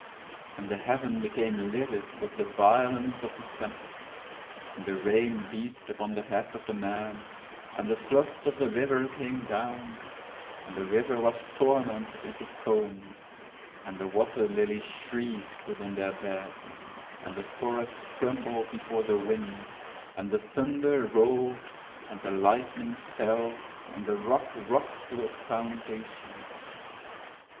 And the heaven became livid with the violence of the tempest—and the rain beat upon the head of the man—and the floods of the river came down—and the river was tormented into foam—and the water lilies shrieked within their beds—and the forest crumbled before the wind—and the thunder rolled—and the lightning fell—and the rock rocked to its foundation.